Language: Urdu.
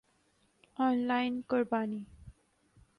آن لائن قربانی